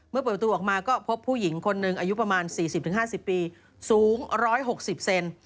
เปิดประตูออกมาก็พบผู้หญิงคนหนึ่งอายุประมาณ๔๐๕๐ปีสูง๑๖๐เซน